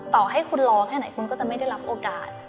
ต่อให้คุณรอแค่ไหนคุณก็จะไม่ได้รับโอกาส